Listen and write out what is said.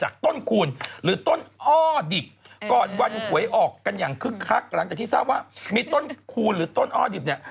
ต้นคูณหรือต้นอ้อดิบก่อนวันหวยออกกันอย่างคึกคักหลังจากที่ทราบว่ามีต้นคูณหรือต้นอ้อดิบเนี่ย